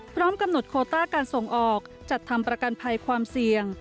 พร้อมกำหนดโคต้าการส่งออกจัดทำประกันภัยความเสี่ยง